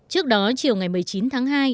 trước đó chiều ngày một mươi chín tháng hai